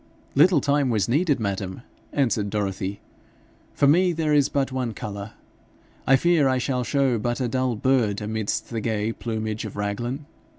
'Little time was needed, madam,' answered Dorothy; 'for me there is but one colour. I fear I shall show but a dull bird amidst the gay plumage of Raglan.